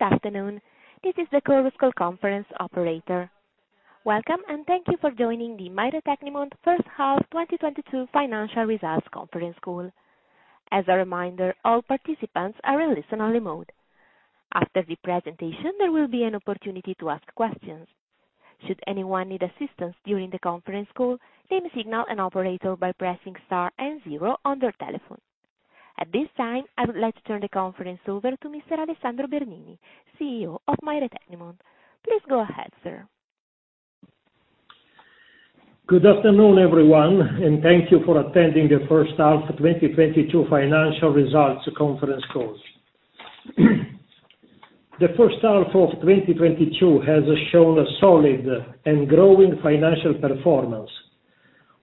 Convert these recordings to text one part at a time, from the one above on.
Good afternoon. This is the Chorus Call conference operator. Welcome, and thank you for joining the Maire Tecnimont first half 2022 financial results conference call. As a reminder, all participants are in listen only mode. After the presentation, there will be an opportunity to ask questions. Should anyone need assistance during the conference call, please signal an operator by pressing star and zero on your telephone. At this time, I would like to turn the conference over to Mr. Alessandro Bernini, CEO of Maire Tecnimont. Please go ahead, sir. Good afternoon, everyone, and thank you for attending the first half 2022 financial results conference call. The first half of 2022 has shown a solid and growing financial performance.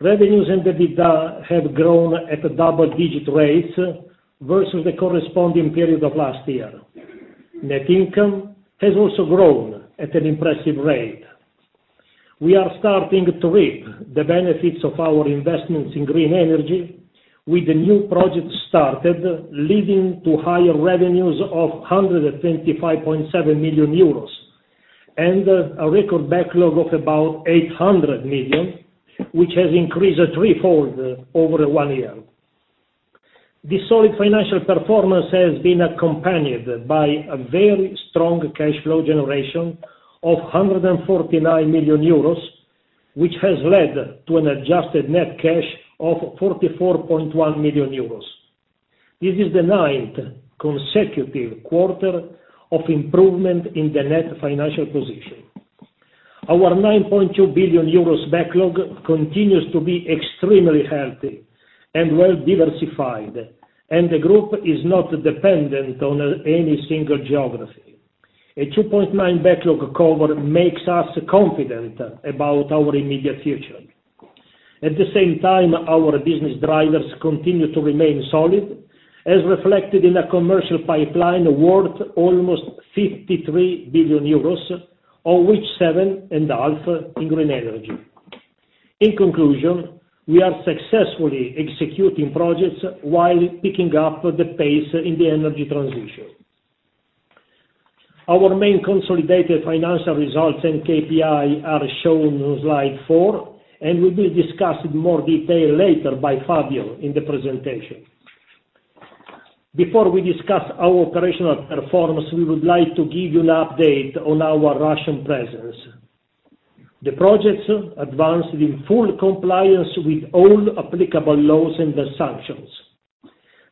Revenues and EBITDA have grown at a double-digit rate versus the corresponding period of last year. Net income has also grown at an impressive rate. We are starting to reap the benefits of our investments in green energy with the new project started, leading to higher revenues of 125.7 million euros, and a record backlog of about 800 million, which has increased threefold over one year. This solid financial performance has been accompanied by a very strong cash flow generation of 149 million euros, which has led to an adjusted net cash of 44.1 million euros. This is the ninth consecutive quarter of improvement in the net financial position. Our 9.2 billion euros backlog continues to be extremely healthy and well diversified, and the group is not dependent on any single geography. A 2.9 backlog cover makes us confident about our immediate future. At the same time, our business drivers continue to remain solid, as reflected in a commercial pipeline worth almost 53 billion euros, of which 7.5 billion in green energy. In conclusion, we are successfully executing projects while picking up the pace in the energy transition. Our main consolidated financial results and KPI are shown on slide 4, and will be discussed in more detail later by Fabio in the presentation. Before we discuss our operational performance, we would like to give you an update on our Russian presence. The projects advanced in full compliance with all applicable laws and sanctions.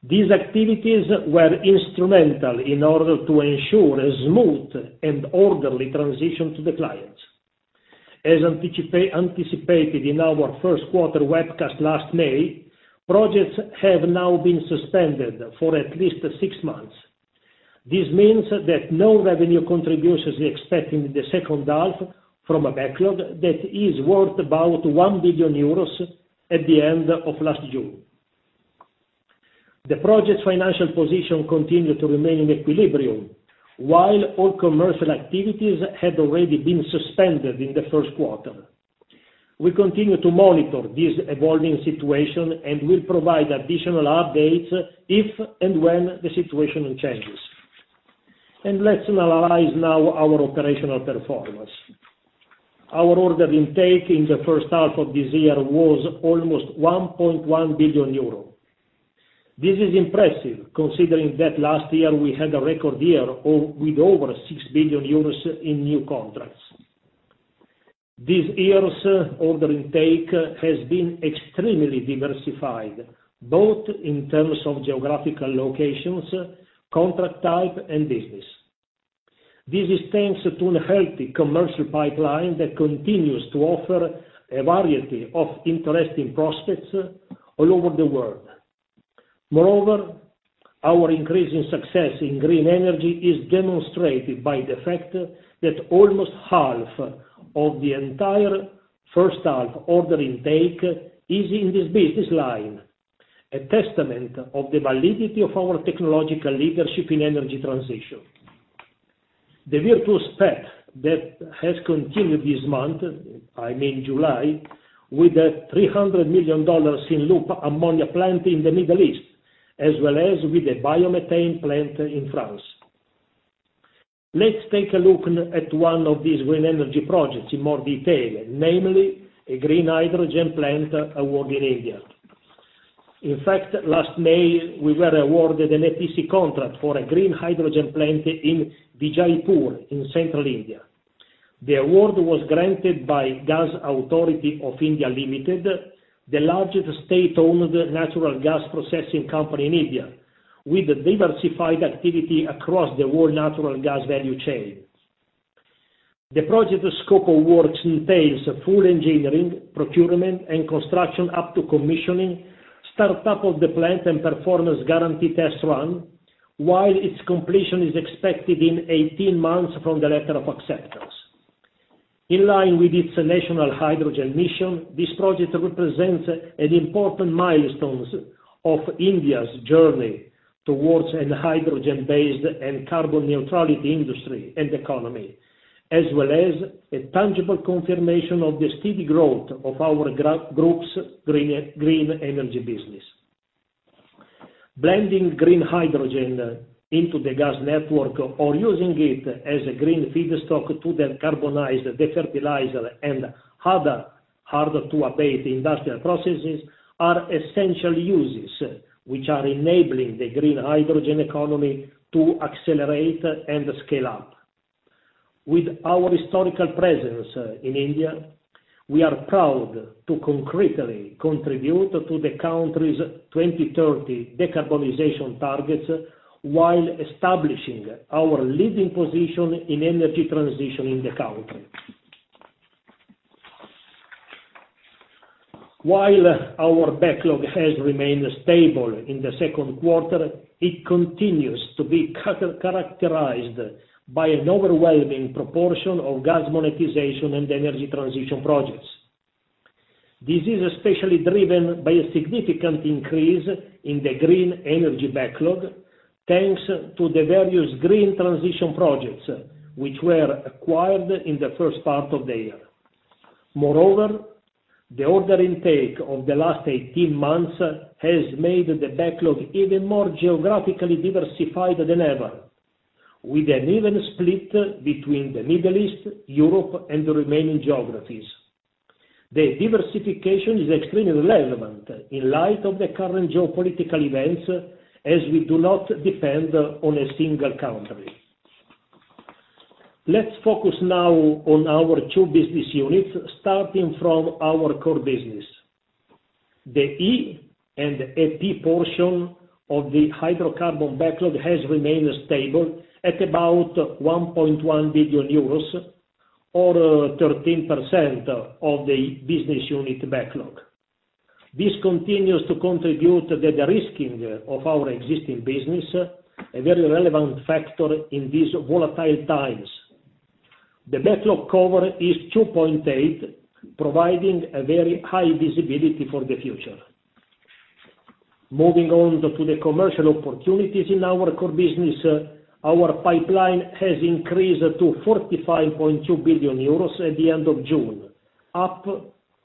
These activities were instrumental in order to ensure a smooth and orderly transition to the clients. As anticipated in our first quarter webcast last May, projects have now been suspended for at least six months. This means that no revenue contribution is expected in the second half from a backlog that is worth about 1 billion euros at the end of last June. The project financial position continued to remain in equilibrium, while all commercial activities had already been suspended in the first quarter. We continue to monitor this evolving situation and will provide additional updates if and when the situation changes. Let's analyze now our operational performance. Our order intake in the first half of this year was almost 1.1 billion euro. This is impressive considering that last year we had a record year with over 6 billion euros in new contracts. This year's order intake has been extremely diversified, both in terms of geographical locations, contract type, and business. This is thanks to a healthy commercial pipeline that continues to offer a variety of interesting prospects all over the world. Moreover, our increasing success in green energy is demonstrated by the fact that almost half of the entire first half order intake is in this business line, a testament of the validity of our technological leadership in energy transition. The virtuous path that has continued this month, I mean July, with a $300 million blue ammonia plant in the Middle East, as well as with a biomethane plant in France. Let's take a look at one of these green energy projects in more detail, namely a green hydrogen plant award in India. In fact, last May, we were awarded an EPC contract for a green hydrogen plant in Vijaipur, in central India. The award was granted by Gas Authority of India Limited, the largest state-owned natural gas processing company in India, with a diversified activity across the whole natural gas value chain. The project scope of works entails full engineering, procurement and construction up to commissioning, start up of the plant and performance guarantee test run, while its completion is expected in 18 months from the letter of acceptance. In line with its National Green Hydrogen Mission, this project represents an important milestone of India's journey towards a hydrogen-based and carbon neutrality industry and economy, as well as a tangible confirmation of the steady growth of our group's green energy business. Blending green hydrogen into the gas network or using it as a green feedstock to decarbonize the fertilizer and other hard-to-abate industrial processes are essential uses which are enabling the green hydrogen economy to accelerate and scale up. With our historical presence in India, we are proud to concretely contribute to the country's 2030 decarbonization targets while establishing our leading position in energy transition in the country. While our backlog has remained stable in the second quarter, it continues to be characterized by an overwhelming proportion of gas monetization and energy transition projects. This is especially driven by a significant increase in the green energy backlog, thanks to the various green transition projects which were acquired in the first part of the year. Moreover, the order intake of the last 18 months has made the backlog even more geographically diversified than ever, with an even split between the Middle East, Europe and the remaining geographies. The diversification is extremely relevant in light of the current geopolitical events, as we do not depend on a single country. Let's focus now on our two business units, starting from our core business. The E&P portion of the hydrocarbon backlog has remained stable at about 1.1 billion euros or 13% of the business unit backlog. This continues to contribute to the de-risking of our existing business, a very relevant factor in these volatile times. The backlog cover is 2.8, providing a very high visibility for the future. Moving on to the commercial opportunities in our core business, our pipeline has increased to 45.2 billion euros at the end of June, up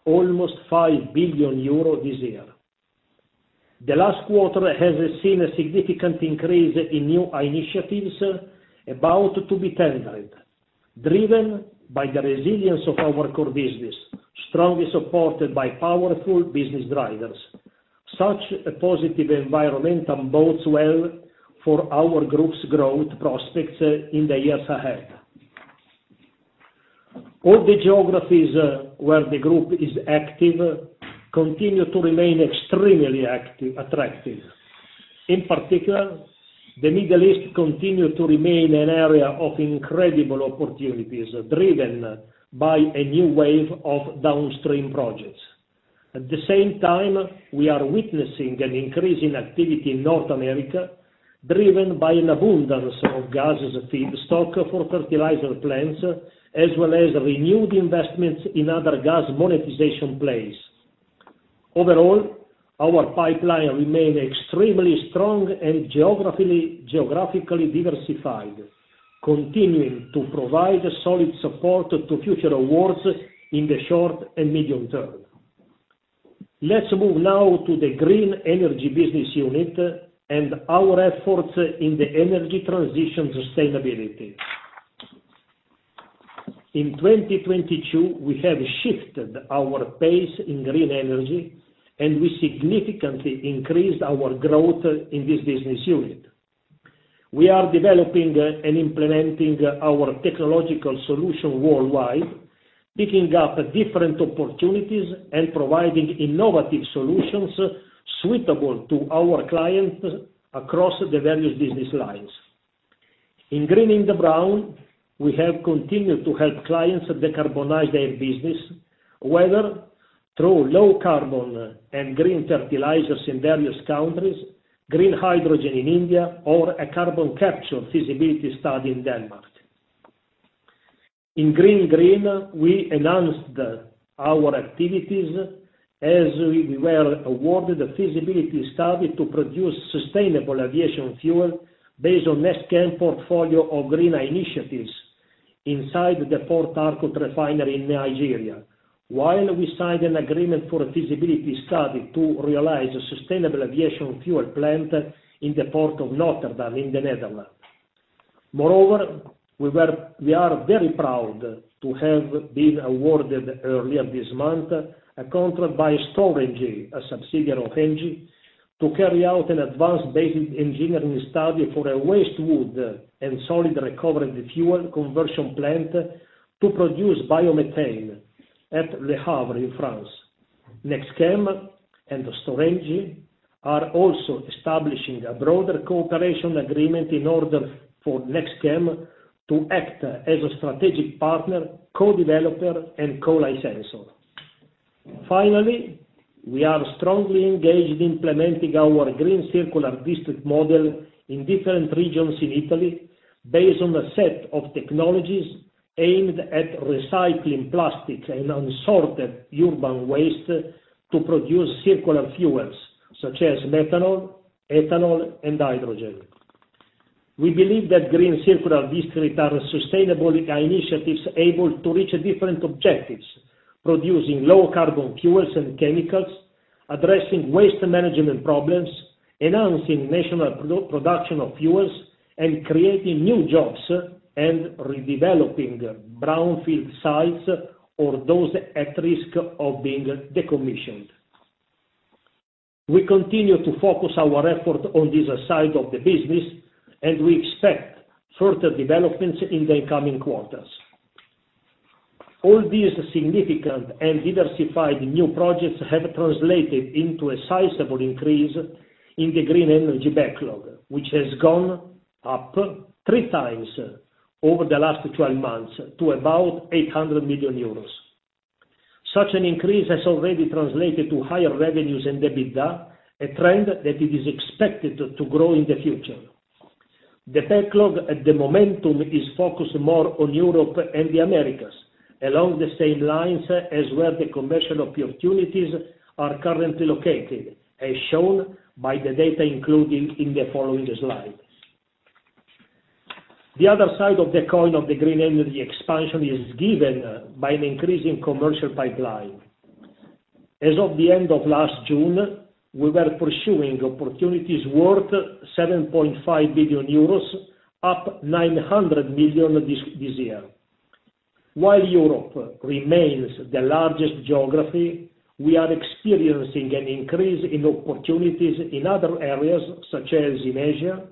almost 5 billion euros this year. The last quarter has seen a significant increase in new initiatives about to be tendered, driven by the resilience of our core business, strongly supported by powerful business drivers. Such a positive environment bodes well for our group's growth prospects in the years ahead. All the geographies where the group is active continue to remain extremely active, attractive. In particular, the Middle East continue to remain an area of incredible opportunities, driven by a new wave of downstream projects. At the same time, we are witnessing an increase in activity in North America, driven by an abundance of gas as a feedstock for fertilizer plants, as well as renewed investments in other gas monetization plays. Overall, our pipeline remain extremely strong and geographically diversified, continuing to provide solid support to future awards in the short and medium term. Let's move now to the green energy business unit and our efforts in the energy transition sustainability. In 2022, we have shifted our pace in green energy, and we significantly increased our growth in this business unit. We are developing and implementing our technological solution worldwide, picking up different opportunities and providing innovative solutions suitable to our clients across the various business lines. In greening the brown, we have continued to help clients decarbonize their business, whether through low carbon and green fertilizers in various countries, green hydrogen in India or a carbon capture feasibility study in Denmark. In green green, we enhanced our activities as we were awarded a feasibility study to produce sustainable aviation fuel based on NextChem portfolio of green initiatives inside the Port Harcourt refinery in Nigeria. While we signed an agreement for a feasibility study to realize a sustainable aviation fuel plant in the port of Rotterdam in the Netherlands. Moreover, we are very proud to have been awarded earlier this month a contract by Storengy, a subsidiary of Engie, to carry out an advanced basic engineering study for a waste, wood and solid recovery fuel conversion plant to produce biomethane at Le Havre in France. NextChem and Storengy are also establishing a broader cooperation agreement in order for NextChem to act as a strategic partner, co-developer and co-licensor. Finally, we are strongly engaged in implementing our Green Circular District model in different regions in Italy, based on a set of technologies aimed at recycling plastic and unsorted urban waste to produce circular fuels such as methanol, ethanol and hydrogen. We believe that Green Circular District are sustainable initiatives able to reach different objectives, producing low carbon fuels and chemicals, addressing waste management problems, enhancing national pro-production of fuels, and creating new jobs, and redeveloping brownfield sites or those at risk of being decommissioned. We continue to focus our effort on this side of the business, and we expect further developments in the coming quarters. All these significant and diversified new projects have translated into a sizable increase in the green energy backlog, which has gone up three times over the last 12 months to about 800 million euros. Such an increase has already translated to higher revenues and EBITDA, a trend that it is expected to grow in the future. The backlog at the moment is focused more on Europe and the Americas, along the same lines as where the commercial opportunities are currently located, as shown by the data included in the following slides. The other side of the coin of the green energy expansion is given by an increase in commercial pipeline. As of the end of last June, we were pursuing opportunities worth 7.5 billion euros, up 900 million this year. While Europe remains the largest geography, we are experiencing an increase in opportunities in other areas such as in Asia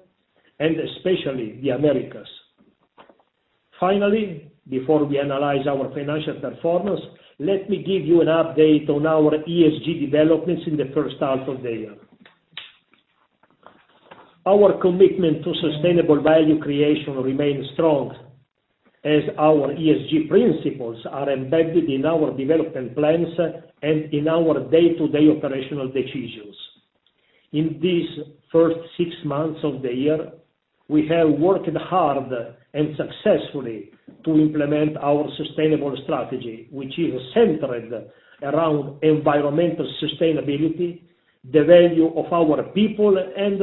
and especially the Americas. Finally, before we analyze our financial performance, let me give you an update on our ESG developments in the first half of the year. Our commitment to sustainable value creation remains strong as our ESG principles are embedded in our development plans and in our day-to-day operational decisions. In these first six months of the year, we have worked hard and successfully to implement our sustainable strategy, which is centered around environmental sustainability, the value of our people and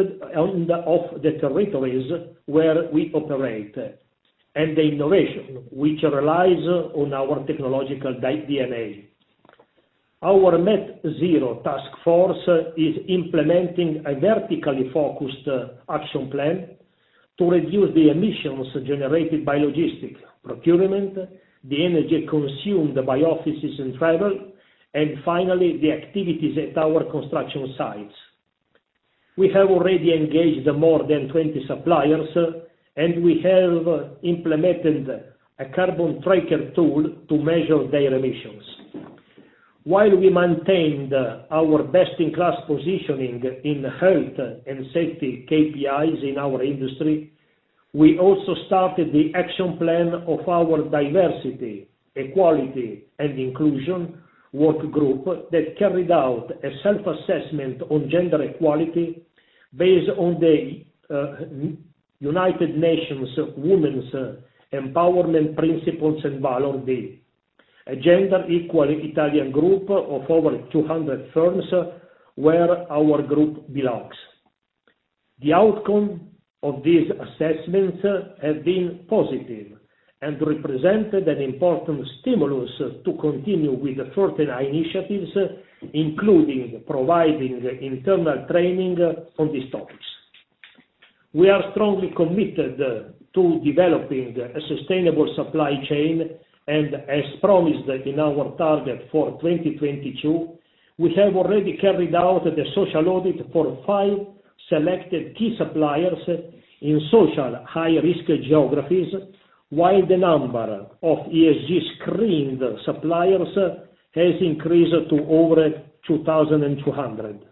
of the territories where we operate, and the innovation which relies on our technological DNA. Our Net Zero task force is implementing a vertically focused action plan to reduce the emissions generated by logistics, procurement, the energy consumed by offices and travel, and finally, the activities at our construction sites. We have already engaged more than 20 suppliers, and we have implemented a carbon tracker tool to measure their emissions. While we maintained our best-in-class positioning in health and safety KPIs in our industry, we also started the action plan of our diversity, equality, and inclusion work group that carried out a self-assessment on gender equality based on the United Nations Women's Empowerment Principles and Valore D, a gender equal Italian group of over 200 firms where our group belongs. The outcome of these assessments have been positive and represented an important stimulus to continue with further initiatives, including providing internal training on these topics. We are strongly committed to developing a sustainable supply chain, and as promised in our target for 2022, we have already carried out the social audit for five selected key suppliers in social high-risk geographies, while the number of ESG screened suppliers has increased to over 2,200.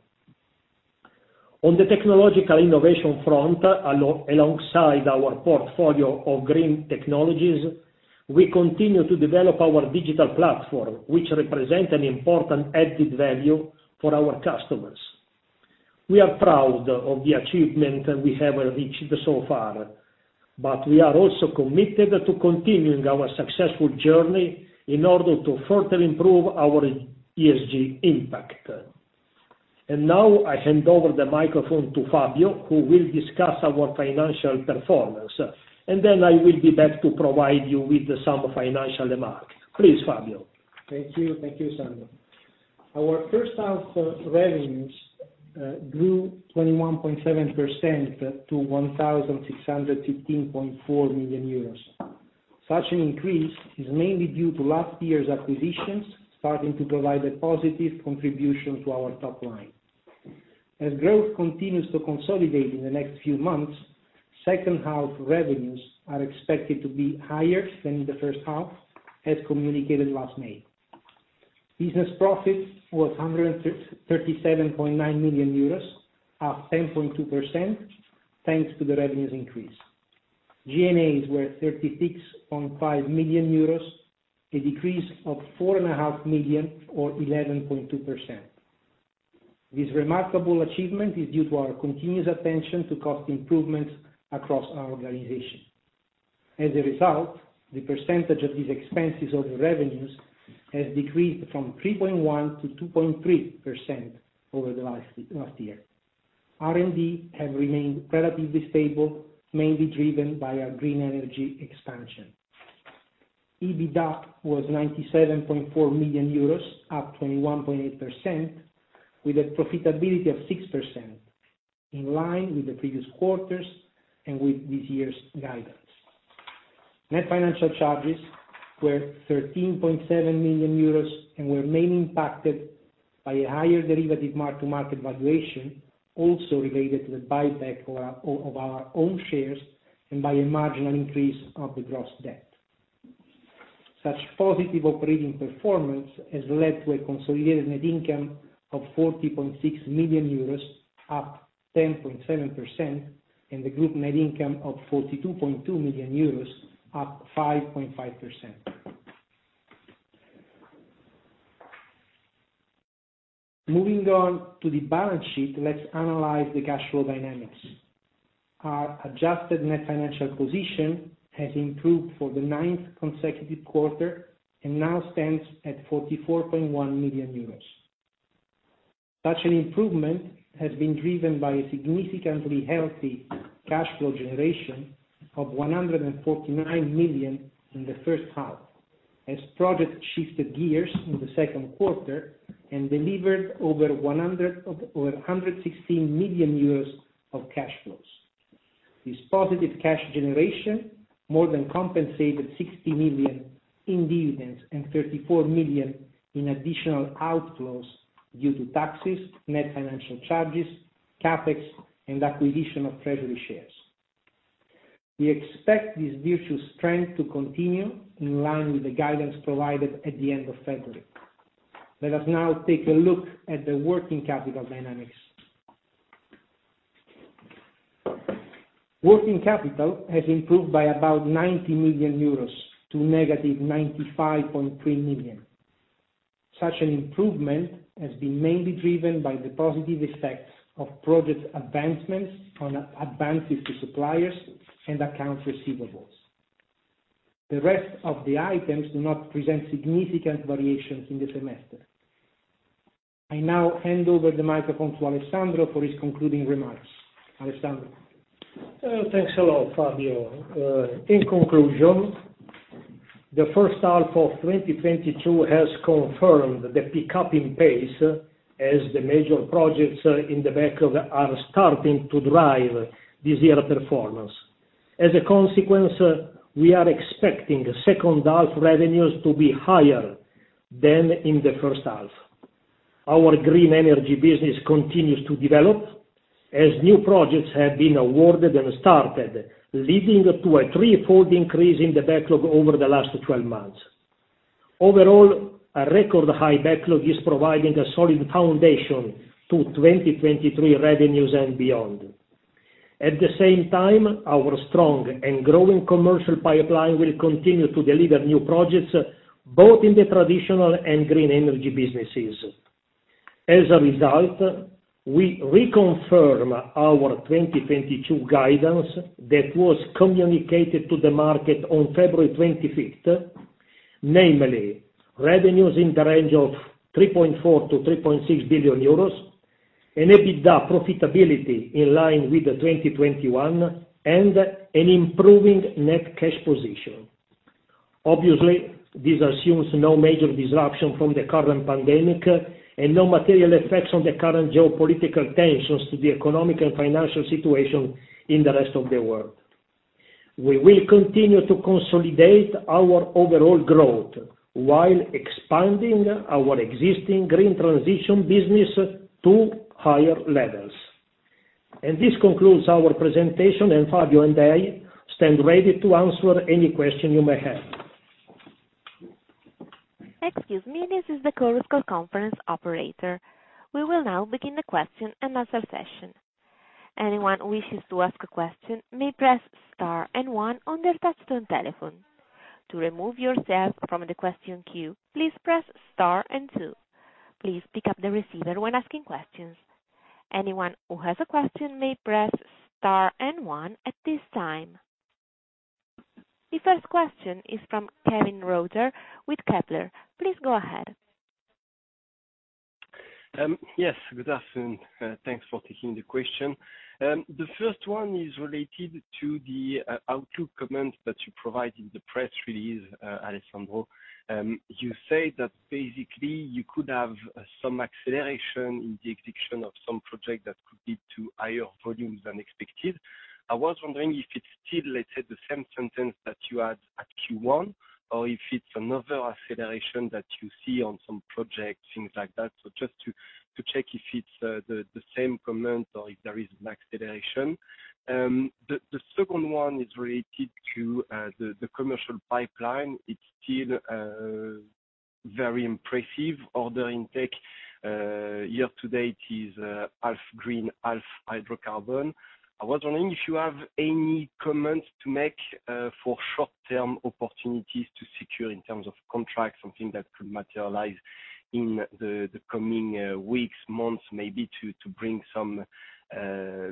On the technological innovation front, alongside our portfolio of green technologies, we continue to develop our digital platform, which represent an important added value for our customers. We are proud of the achievement we have reached so far, but we are also committed to continuing our successful journey in order to further improve our ESG impact. Now I hand over the microphone to Fabio, who will discuss our financial performance. Then I will be back to provide you with some financial remarks. Please, Fabio. Thank you. Thank you, Sandro. Our first half revenues grew 21.7% to 1,615.4 million euros. Such an increase is mainly due to last year's acquisitions starting to provide a positive contribution to our top line. As growth continues to consolidate in the next few months, second half revenues are expected to be higher than in the first half, as communicated last May. Business profit was 137.9 million euros, up 10.2%, thanks to the revenues increase. G&A were 36.5 million euros, a decrease of 4.5 million or 11.2%. This remarkable achievement is due to our continuous attention to cost improvements across our organization. As a result, the percentage of these expenses over revenues has decreased from 3.1% to 2.3% over the last year. R&D has remained relatively stable, mainly driven by our green energy expansion. EBITDA was 97.4 million euros, up 21.8%, with a profitability of 6%, in line with the previous quarters and with this year's guidance. Net financial charges were 13.7 million euros, and were mainly impacted by a higher derivative mark-to-market valuation, also related to the buyback of our own shares and by a marginal increase of the gross debt. Such positive operating performance has led to a consolidated net income of 40.6 million euros, up 10.7%, and the group net income of 42.2 million euros, up 5.5%. Moving on to the balance sheet, let's analyze the cash flow dynamics. Our adjusted net financial position has improved for the ninth consecutive quarter, and now stands at 44.1 million euros. Such an improvement has been driven by a significantly healthy cash flow generation of 149 million in the first half, as projects shifted gears in the second quarter and delivered over 116 million euros of cash flows. This positive cash generation more than compensated 60 million in dividends and 34 million in additional outflows due to taxes, net financial charges, CapEx, and acquisition of treasury shares. We expect this virtuous trend to continue, in line with the guidance provided at the end of February. Let us now take a look at the working capital dynamics. Working capital has improved by about 90 million euros to -95.3 million. Such an improvement has been mainly driven by the positive effects of project advancements on advances to suppliers and accounts receivables. The rest of the items do not present significant variations in the semester. I now hand over the microphone to Alessandro for his concluding remarks. Alessandro. Thanks a lot, Fabio. In conclusion, the first half of 2022 has confirmed the pickup in pace as the major projects in the backlog are starting to drive this year's performance. As a consequence, we are expecting second half revenues to be higher than in the first half. Our green energy business continues to develop as new projects have been awarded and started, leading to a threefold increase in the backlog over the last 12 months. Overall, a record high backlog is providing a solid foundation to 2023 revenues and beyond. At the same time, our strong and growing commercial pipeline will continue to deliver new projects, both in the traditional and green energy businesses. As a result, we reconfirm our 2022 guidance that was communicated to the market on February 25th, namely, revenues in the range of 3.4 billion-3.6 billion euros, an EBITDA profitability in line with 2021, and an improving net cash position. Obviously, this assumes no major disruption from the current pandemic, and no material effects on the current geopolitical tensions to the economic and financial situation in the rest of the world. We will continue to consolidate our overall growth while expanding our existing green transition business to higher levels. This concludes our presentation, and Fabio and I stand ready to answer any question you may have. Excuse me, this is the Chorus Call conference operator. We will now begin the question and answer session. Anyone wishes to ask a question may press star and one on their touch-tone telephone. To remove yourself from the question queue, please press star and two. Please pick up the receiver when asking questions. Anyone who has a question may press star and one at this time. The first question is from Kévin Roger with Kepler. Please go ahead. Yes. Good afternoon. Thanks for taking the question. The first one is related to the outlook comment that you provide in the press release, Alessandro. You say that basically you could have some acceleration in the execution of some projects that could lead to higher volumes than expected. I was wondering if it's still, let's say, the same sentence that you had at Q1, or if it's another acceleration that you see on some projects, things like that. Just to check if it's the same comment or if there is an acceleration. The second one is related to the commercial pipeline. It's still very impressive. Order intake year to date is half green, half hydrocarbon. I was wondering if you have any comments to make for short-term opportunities to secure in terms of contracts, something that could materialize in the coming weeks, months, maybe to bring some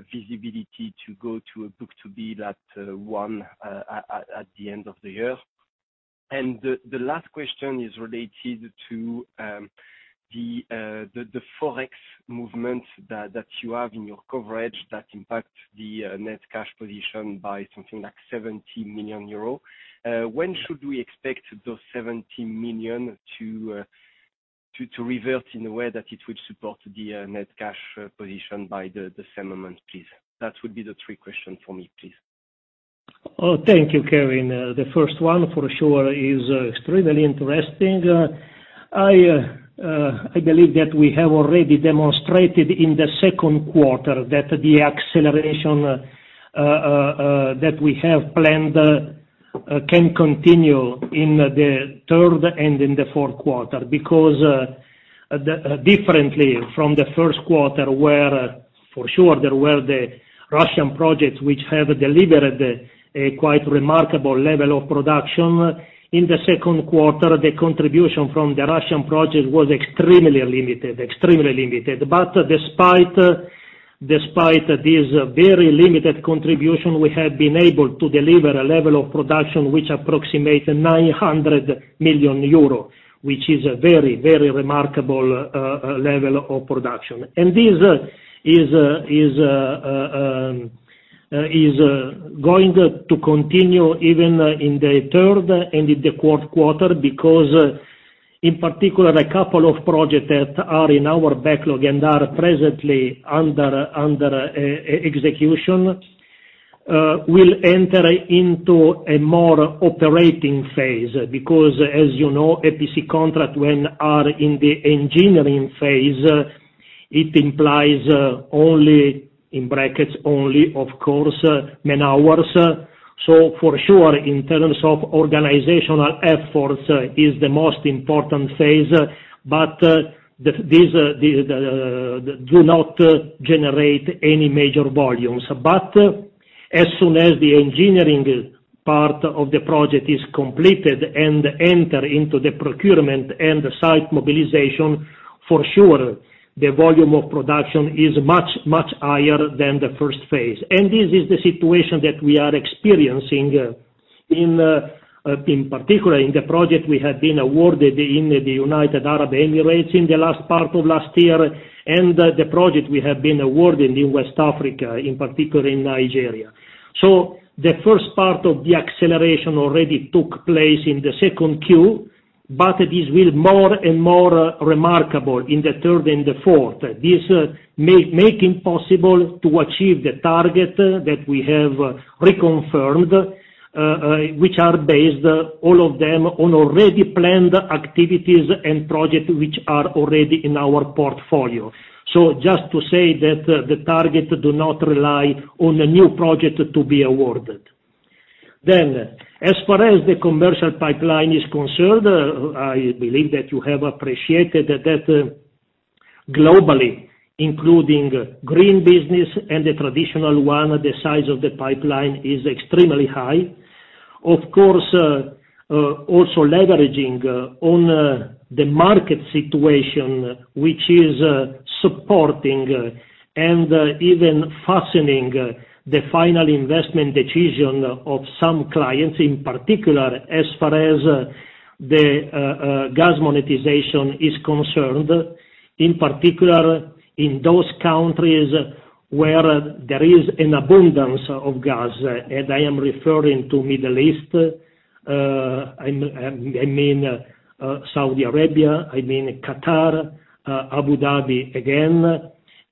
visibility to go to a book-to-bill that one at the end of the year? The last question is related to the Forex movement that you have in your coverage that impacts the net cash position by something like 70 million euros. When should we expect those 70 million to revert in a way that it will support the net cash position by the settlement, please? That would be the third question for me, please. Oh, thank you, Kévin. The first one for sure is extremely interesting. I believe that we have already demonstrated in the second quarter that the acceleration that we have planned can continue in the third and in the fourth quarter. Because differently from the first quarter, where for sure there were the Russian projects which have delivered a quite remarkable level of production. In the second quarter, the contribution from the Russian project was extremely limited. But despite this very limited contribution, we have been able to deliver a level of production which approximates 900 million euro, which is a very, very remarkable level of production. This is going to continue even in the third and in the fourth quarter, because in particular a couple of projects that are in our backlog and are presently under execution will enter into a more operating phase. As you know, EPC contract, when are in the engineering phase, it implies only of course man-hours. For sure, in terms of organizational efforts is the most important phase, but these do not generate any major volumes. As soon as the engineering part of the project is completed and enter into the procurement and the site mobilization, for sure, the volume of production is much higher than the first phase. This is the situation that we are experiencing, in particular in the project we have been awarded in the United Arab Emirates in the last part of last year, and the project we have been awarded in West Africa, in particular in Nigeria. The first part of the acceleration already took place in the second Q, but this will more and more remarkable in the third and the fourth. This make it possible to achieve the target that we have reconfirmed, which are based, all of them, on already planned activities and projects which are already in our portfolio. Just to say that, the target do not rely on a new project to be awarded. As far as the commercial pipeline is concerned, I believe that you have appreciated that, globally, including green business and the traditional one, the size of the pipeline is extremely high. Of course, also leveraging on the market situation, which is supporting and even hastening the final investment decision of some clients, in particular as far as the gas monetization is concerned, in particular in those countries where there is an abundance of gas, and I am referring to Middle East. I mean Saudi Arabia, I mean Qatar, Abu Dhabi, again,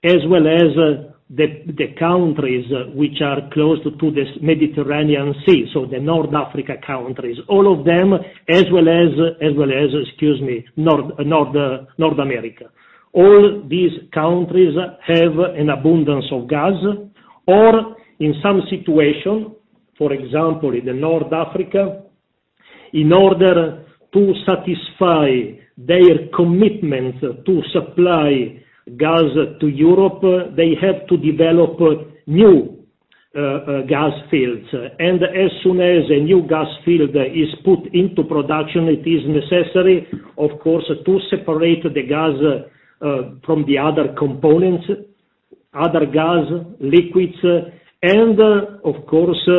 as well as the countries which are close to this Mediterranean Sea, so the North Africa countries, all of them, as well as North America. All these countries have an abundance of gas, or in some situation, for example, in North Africa, in order to satisfy their commitment to supply gas to Europe, they have to develop new gas fields. As soon as a new gas field is put into production, it is necessary, of course, to separate the gas from the other components, other gas, liquids. Of course,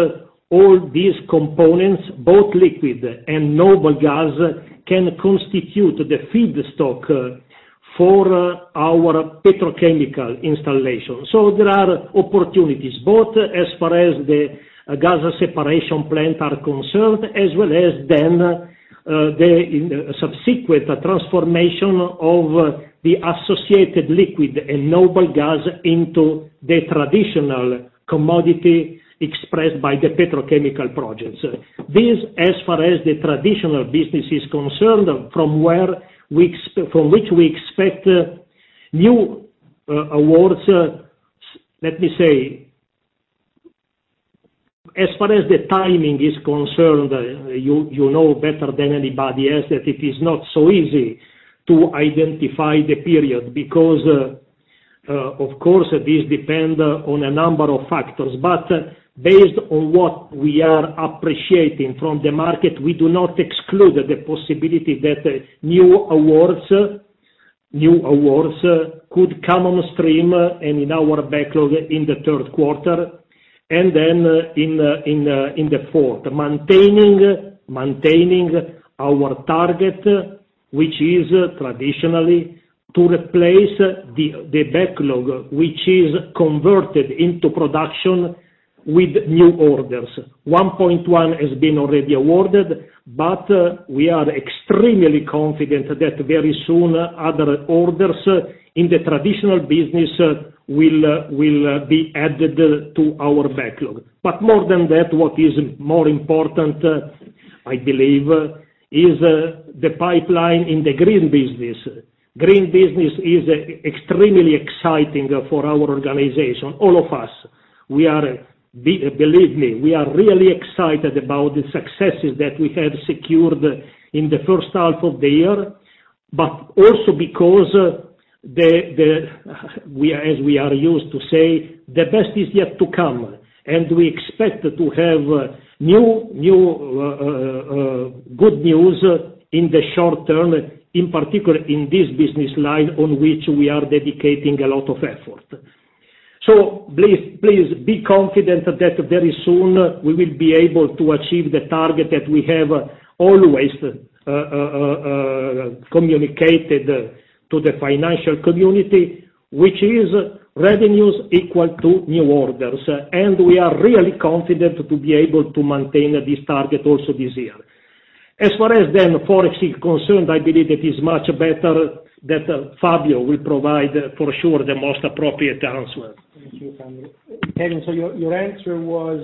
all these components, both liquid and noble gas, can constitute the feedstock for our petrochemical installation. There are opportunities, both as far as the gas separation plant are concerned, as well as then in the subsequent transformation of the associated liquid and noble gas into the traditional commodity expressed by the petrochemical projects. This, as far as the traditional business is concerned, from which we expect new awards, let me say, as far as the timing is concerned, you know better than anybody else that it is not so easy to identify the period, because of course this depend on a number of factors. Based on what we are appreciating from the market, we do not exclude the possibility that new awards could come on stream and in our backlog in the third quarter, and then in the fourth, maintaining our target, which is traditionally to replace the backlog, which is converted into production with new orders. 1.1 has been already awarded, but we are extremely confident that very soon other orders in the traditional business will be added to our backlog. More than that, what is more important, I believe, is the pipeline in the green business. Green business is extremely exciting for our organization, all of us. Believe me, we are really excited about the successes that we have secured in the first half of the year, but also because, as we are used to say, the best is yet to come. We expect to have new good news in the short term, in particular in this business line on which we are dedicating a lot of effort. Please be confident that very soon we will be able to achieve the target that we have always communicated to the financial community, which is revenues equal to new orders. We are really confident to be able to maintain this target also this year. As far as then Forex is concerned, I believe it is much better that Fabio will provide for sure the most appropriate answer. Thank you, Fabio. Kevin, your answer was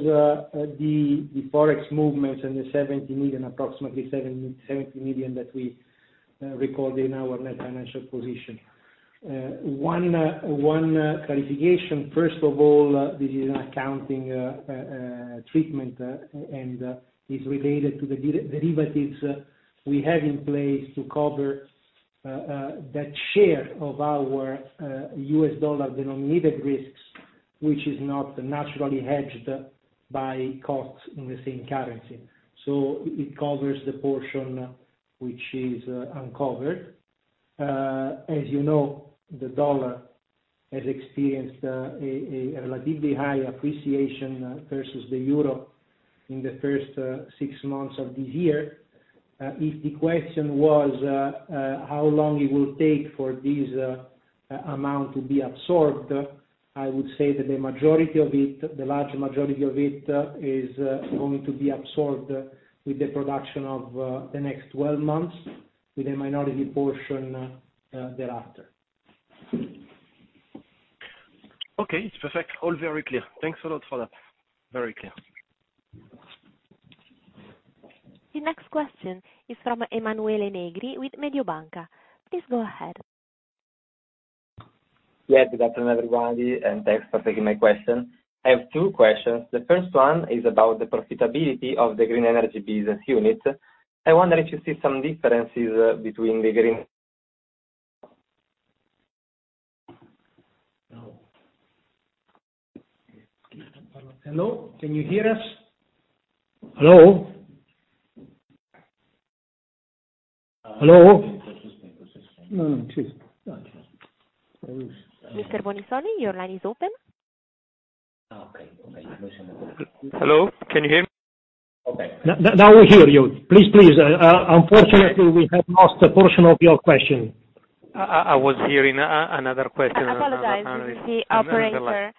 the Forex movements and the approximately 70 million that we recorded in our net financial position. One clarification. First of all, this is an accounting treatment and is related to the derivatives we have in place to cover that share of our US dollar-denominated risks, which is not naturally hedged by costs in the same currency. It covers the portion which is uncovered. As you know, the US dollar has experienced a relatively high appreciation versus the euro in the first six months of this year. If the question was how long it will take for this amount to be absorbed, I would say that the majority of it, the large majority of it, is going to be absorbed within the next 12 months, with a minority portion thereafter. Okay. It's perfect. All very clear. Thanks a lot for that. Very clear. The next question is from Emanuele Negri with Mediobanca. Please go ahead. Yes. Good afternoon, everybody, and thanks for taking my question. I have two questions. The first one is about the profitability of the green energy business unit. I wonder if you see some differences between the green- Hello, can you hear us? Hello? Hello? Mr. Bonisoli, your line is open. Okay. Okay. Hello. Can you hear me? Okay. Now we hear you. Please, unfortunately, we have lost a portion of your question. I was hearing another question. I apologize, Mr. Operator. Yeah.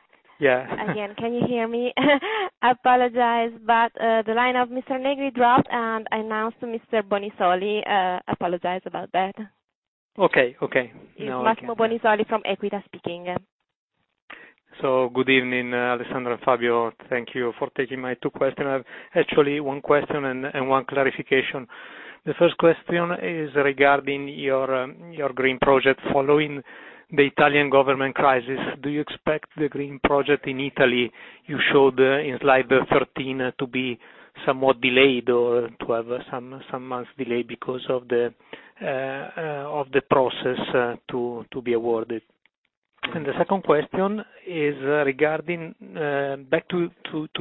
Again, can you hear me? I apologize, but the line of Mr. Negri dropped, and I announced Mr. Bonisoli. Apologize about that. Okay. Now I can hear. Massimo Bonisoli from Equita speaking. Good evening, Alessandro and Fabio. Thank you for taking my two questions. I have actually one question and one clarification. The first question is regarding your green project. Following the Italian government crisis, do you expect the green project in Italy you showed in slide 13 to be somewhat delayed or to have some months delay because of the process to be awarded? The second question is regarding back to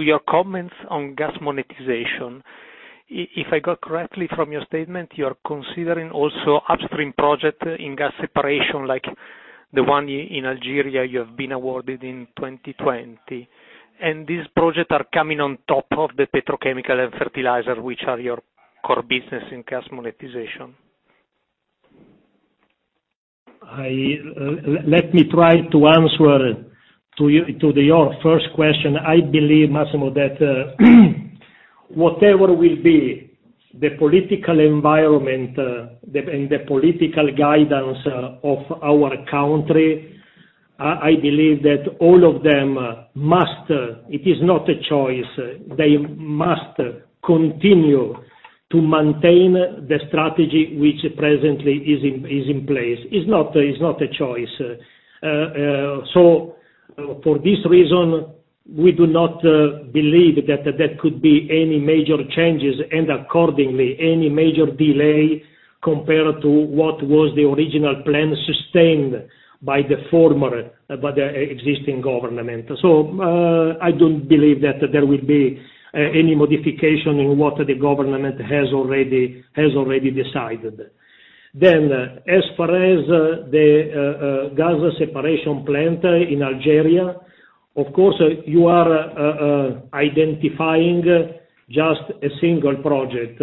your comments on gas monetization. If I got correctly from your statement, you're considering also upstream project in gas separation like the one in Algeria you have been awarded in 2020. These projects are coming on top of the petrochemical and fertilizer, which are your core business in gas monetization. Let me try to answer to your first question. I believe, Massimo, that whatever will be the political environment and the political guidance of our country, I believe that all of them must. It is not a choice. They must continue to maintain the strategy which presently is in place. It's not a choice. For this reason, we do not believe that there could be any major changes and accordingly any major delay compared to what was the original plan sustained by the existing government. I don't believe that there will be any modification in what the government has already decided. As far as the gas separation plant in Algeria, of course, you are identifying just a single project.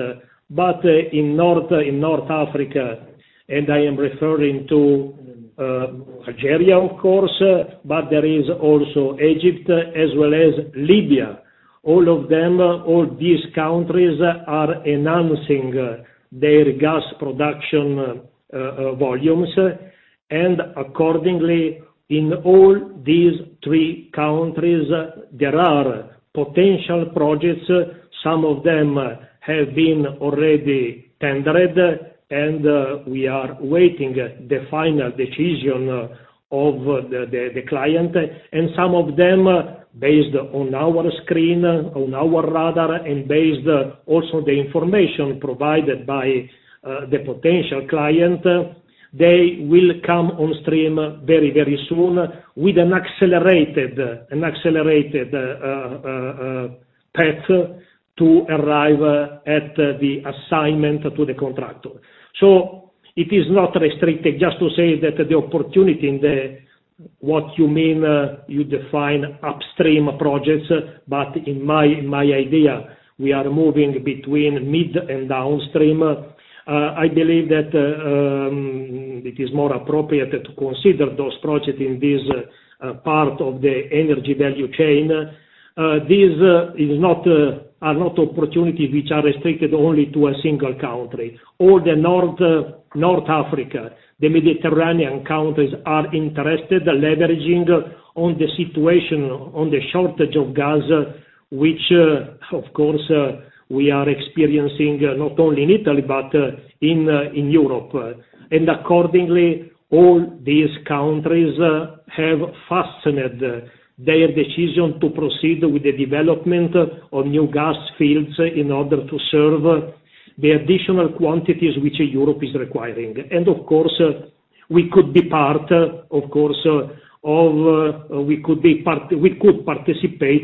In North Africa, and I am referring to Algeria, of course, but there is also Egypt as well as Libya. All of them, all these countries are enhancing their gas production volumes. Accordingly, in all these three countries, there are potential projects. Some of them have been already tendered, and we are waiting the final decision of the client. Some of them, based on our screen, on our radar, and based also the information provided by the potential client, they will come on stream very soon with an accelerated path to arrive at the assignment to the contractor. It is not restricted just to say that the opportunity in the what you mean, you define upstream projects, but in my idea, we are moving between mid and downstream. I believe that it is more appropriate to consider those projects in this part of the energy value chain. These are not opportunities which are restricted only to a single country. All the North Africa, the Mediterranean countries are interested in leveraging on the situation, on the shortage of gas, which of course, we are experiencing not only in Italy, but in Europe. Accordingly, all these countries have hastened their decision to proceed with the development of new gas fields in order to serve the additional quantities which Europe is requiring. Of course, we could participate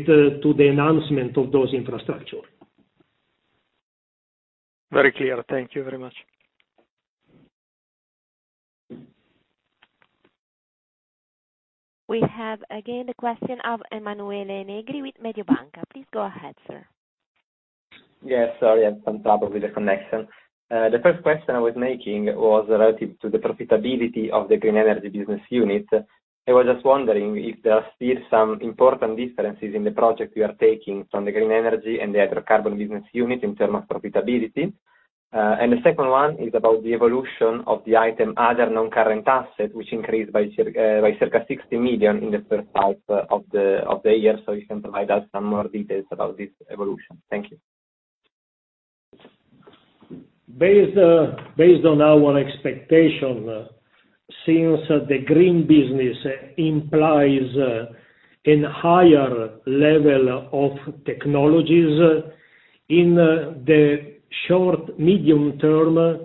in the enhancement of those infrastructures. Very clear. Thank you very much. We have again the question of Emanuele Negri with Mediobanca. Please go ahead, sir. Yes, sorry, I had some trouble with the connection. The first question I was making was relative to the profitability of the green energy business unit. I was just wondering if there are still some important differences in the project you are taking from the green energy and the hydrocarbon business unit in terms of profitability. The second one is about the evolution of the item, other non-current assets, which increased by circa 60 million in the first half of the year. You can provide us some more details about this evolution. Thank you. Based on our expectation, since the green business implies a higher level of technologies, in the short, medium term,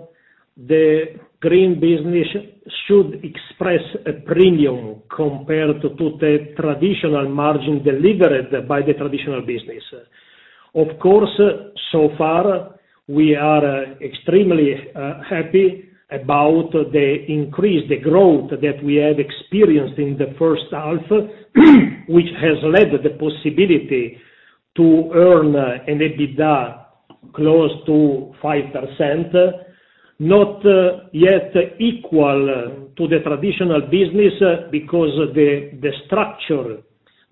the green business should express a premium compared to the traditional margin delivered by the traditional business. Of course, so far, we are extremely happy about the increase, the growth that we have experienced in the first half, which has led to the possibility to earn an EBITDA close to 5%, not yet equal to the traditional business, because the structure,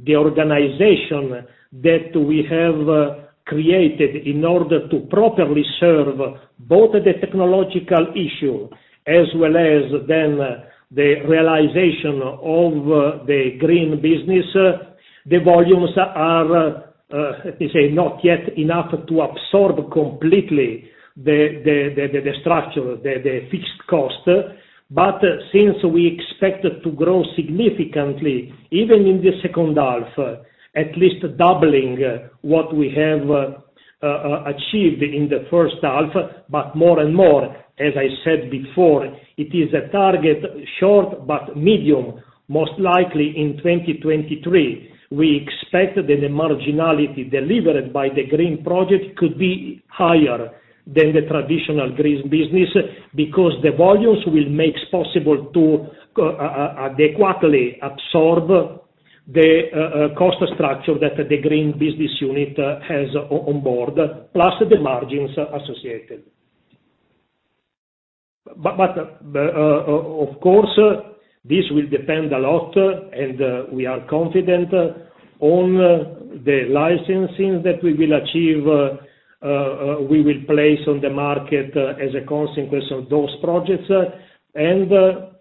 the organization that we have created in order to properly serve both the technological issue as well as then the realization of the green business, the volumes are, how to say, not yet enough to absorb completely the structure, the fixed cost. Since we expect to grow significantly, even in the second half, at least doubling what we have achieved in the first half, but more and more, as I said before, it is a target short but medium, most likely in 2023. We expect that the marginality delivered by the green project could be higher than the traditional green business, because the volumes will make possible to adequately absorb the cost structure that the green business unit has on board, plus the margins associated. Of course, this will depend a lot, and we are confident on the licensing that we will achieve. We will place on the market as a consequence of those projects, and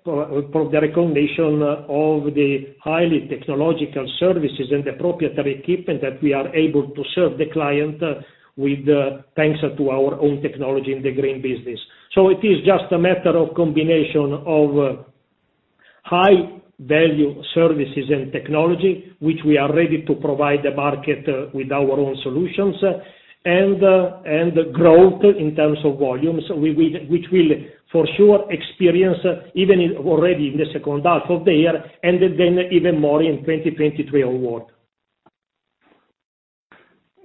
for the recognition of the highly technological services and the proprietary equipment that we are able to serve the client with, thanks to our own technology in the green business. It is just a matter of combination of high value services and technology, which we are ready to provide the market with our own solutions, and growth in terms of volumes, which will for sure experience already in the second half of the year, and then even more in 2023 onward.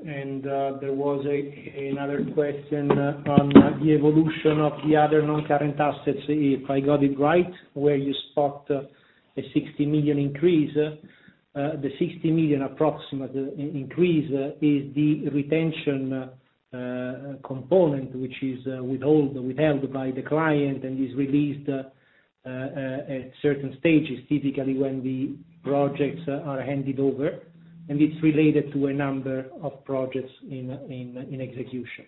There was another question on the evolution of the other non-current assets. If I got it right, where you spot a 60 million increase, the 60 million approximate increase is the retention component, which is withheld by the client and is released at certain stages, typically when the projects are handed over, and it's related to a number of projects in execution.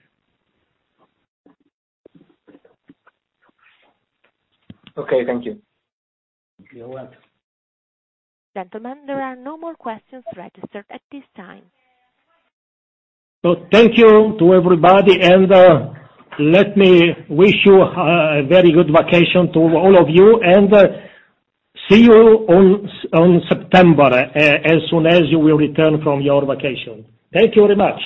Okay. Thank you. You're welcome. Gentlemen, there are no more questions registered at this time. Thank you to everybody, and let me wish you a very good vacation to all of you, and see you on September as soon as you will return from your vacation. Thank you very much.